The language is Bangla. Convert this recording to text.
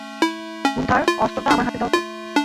গুন্থার, অস্ত্রটা আমার হাতে দাও তো।